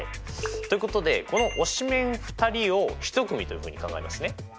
ということでこの推しメン２人を一組というふうに考えますね。